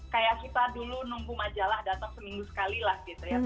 kayak kita dulu nunggu majalah datang seminggu sekali lah gitu ya